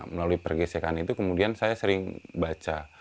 melalui pergesekan itu kemudian saya sering baca